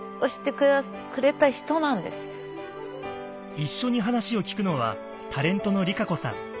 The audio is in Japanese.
一緒に話を聞くのはタレントのＲＩＫＡＣＯさん。